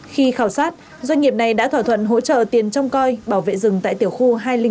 khi khảo sát doanh nghiệp này đã thỏa thuận hỗ trợ tiền trong coi bảo vệ rừng tại tiểu khu hai trăm linh bốn